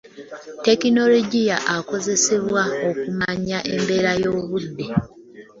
tekinologiya akozesebwa okumanya embeera y'obudde.